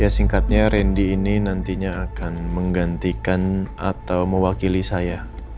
singkatnya randy ini nantinya akan menggantikan atau mewakili saya